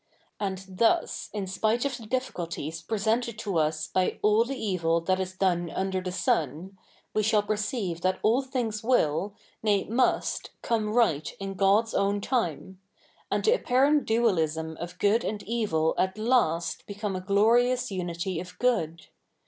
And thus, in spite of the difficulties presented to us by " all the evil that is done tinder the sun," we shall pe?'ceive that all things will, nay must, come right i?i God's own time ; and the apparent dualism of good and evil at last become a glorious unity of good.